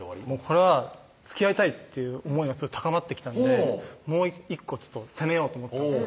これはつきあいたいという思いが高まってきたのでもう１個攻めようと思ったんです